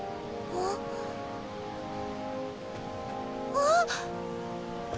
あっ！